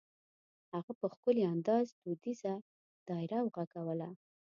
هغه په ښکلي انداز دودیزه دایره وغږوله.